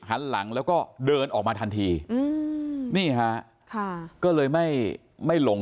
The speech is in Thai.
หันหลังแล้วก็เดินออกมาทันทีอืมนี่ฮะค่ะก็เลยไม่ไม่หลง